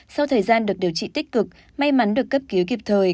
sau thời gian được điều trị tích cực may mắn được cấp cứu kịp thời